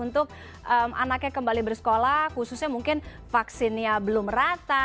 untuk anaknya kembali bersekolah khususnya mungkin vaksinnya belum rata